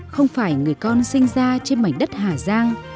không phải người con sinh ra trên mảnh đất hà giang